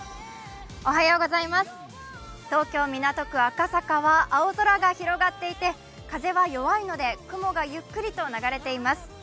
東京・港区赤坂は青空が広がっていて、風は弱いので雲がゆっくりと流れています。